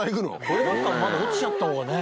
これだったらまだ落ちちゃったほうがね。